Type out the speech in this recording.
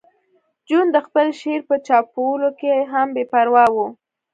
جون د خپل شعر په چاپولو کې هم بې پروا و